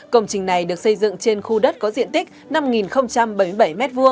công trình này được xây dựng trên khu đất có diện tích năm bảy mươi bảy m hai